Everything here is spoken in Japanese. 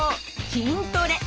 筋トレ。